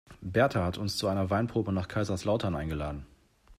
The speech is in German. Berta hat uns zu einer Weinprobe nach Kaiserslautern eingeladen.